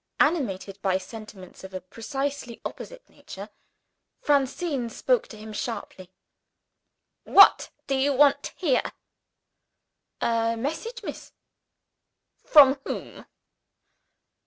Animated by sentiments of a precisely opposite nature, Francine spoke to him sharply. "What do you want here?" "A message, miss." "From whom?"